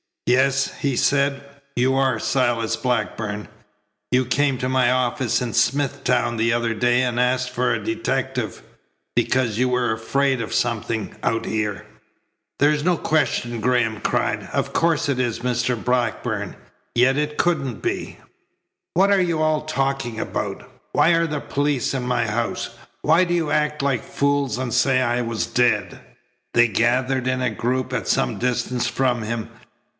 "Yes," he said. "You are Silas Blackburn. You came to my office in Smithtown the other day and asked for a detective, because you were afraid of something out here." "There's no question," Graham cried. "Of course it is Mr. Blackburn, yet it couldn't be." "What you all talking about? Why are the police in my house? Why do you act like fools and say I was dead?" They gathered in a group at some distance from him.